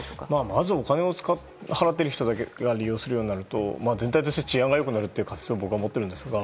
まず、お金を払っている人だけが利用するようになると全体として治安が良くなると僕は思っているんですが。